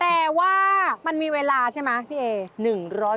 แต่ว่ามันมีเวลาใช่ไหมพี่เอ